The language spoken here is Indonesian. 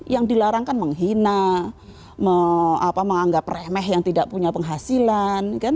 yang dilarangkan menghina menganggap remeh yang tidak punya penghasilan